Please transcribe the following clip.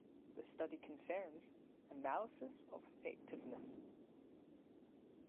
This study concerns "Analysis of Effectiveness".